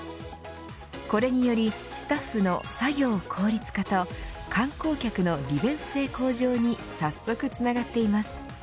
これによりスタッフの作業効率化と観光客の利便性向上に早速つながっています。